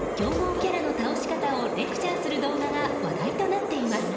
吉田さんが強豪キャラの倒し方をレクチャーする動画が話題となっています。